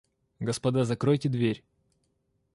Господа закройте дверь.